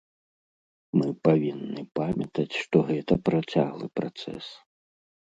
Мы павінны памятаць, што гэта працяглы працэс.